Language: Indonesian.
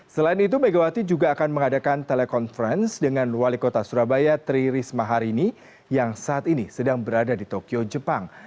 selain itu megawati juga akan mengadakan telekonferensi dengan wali kota surabaya tri risma harini yang saat ini sedang berada di tokyo jepang